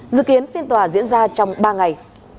dự kiến phiên tòa diễn ra trong ba ngày